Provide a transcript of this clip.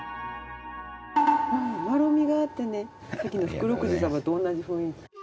丸みがあってねさっきの福禄寿様と同じ雰囲気。